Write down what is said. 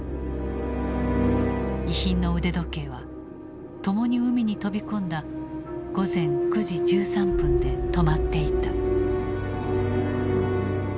遺品の腕時計は共に海に飛び込んだ午前９時１３分で止まっていた。